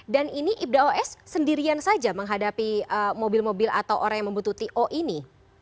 dan ini ibra os sendirian saja menghadapi mobil mobil atau orang yang membutuhkan o ini